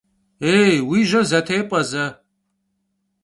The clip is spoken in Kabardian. Yêy, vui jer zetêp'e ze!